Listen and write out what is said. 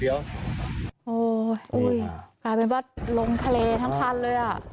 โอ้โหกลายเป็นว่าลงทะเลทั้งคันเลยอ่ะ